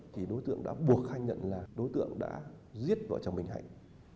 thì đối tượng đã buộc khai nhận là đối tượng đã giết vợ chồng bình hạnh